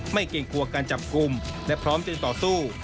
เกรงกลัวการจับกลุ่มและพร้อมจึงต่อสู้